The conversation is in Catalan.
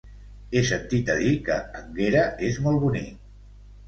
He sentit a dir que Énguera és molt bonic.